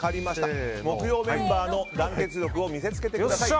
木曜メンバーの団結力を見せつけてください